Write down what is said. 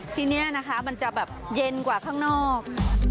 ทีนี้นะคะมันจะแบบเย็นกว่าข้างนอก